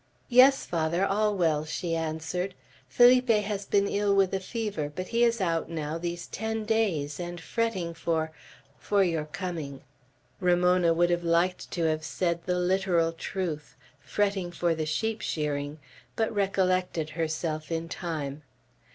"Yes, Father, all well," she answered. "Felipe has been ill with a fever; but he is out now, these ten days, and fretting for for your coming." Ramona had like to have said the literal truth, "fretting for the sheep shearing," but recollected herself in time.